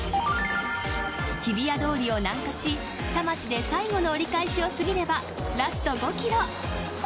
日比谷通りを南下し田町で最後の折り返しを過ぎればラスト５キロ。